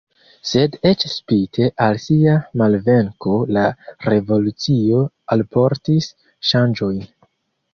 Sed eĉ spite al sia malvenko la revolucio alportis ŝanĝojn.